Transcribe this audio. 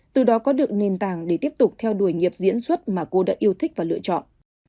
từ đó có được nền tảng để tiếp tục theo đuổi nghiệp diễn xuất mà cô đã yêu thích và lựa chọn